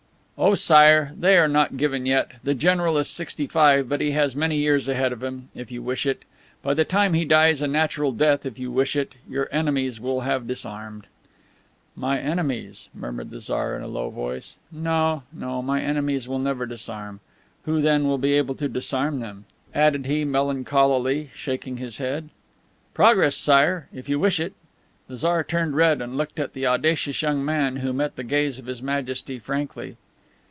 "Oh, Sire, they are not given yet. The general is sixty five, but he has many years ahead of him, if you wish it. By the time he dies a natural death, if you wish it your enemies will have disarmed." "My enemies!" murmured the Tsar in a low voice. "No, no; my enemies never will disarm. Who, then, will be able to disarm them?" added he, melancholily, shaking his head. "Progress, Sire! If you wish it." The Tsar turned red and looked at the audacious young man, who met the gaze of His Majesty frankly.